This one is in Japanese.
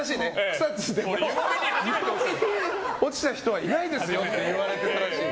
草津でも湯もみに落ちた人はいないですよって言われてたらしい。